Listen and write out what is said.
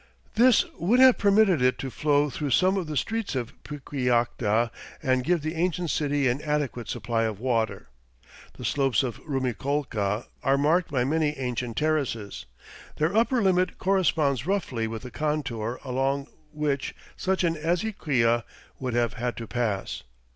This would have permitted it to flow through some of the streets of Piquillacta and give the ancient city an adequate supply of water. The slopes of Rumiccolca are marked by many ancient terraces. Their upper limit corresponds roughly with the contour along which such an azequia would have had to pass.